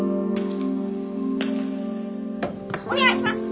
お願いします！